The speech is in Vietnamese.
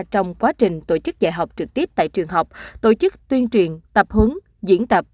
trong quá trình tổ chức dạy học trực tiếp tại trường học tổ chức tuyên truyền tập hướng diễn tập